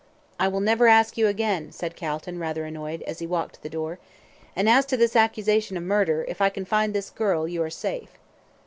"I will never ask you again," said Calton, rather annoyed, as he walked to the door. "And as to this accusation of murder, if I can find this girl, you are safe."